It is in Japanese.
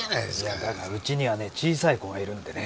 いやだがうちにはね小さい子がいるんでね